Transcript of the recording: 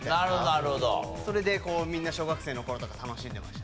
それでこうみんな小学生の頃とか楽しんでました。